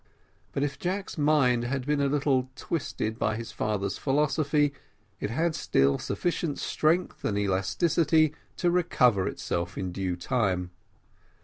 But if Jack's mind had been a little twisted by his father's philosophy, it had still sufficient strength and elasticity to recover itself in due time.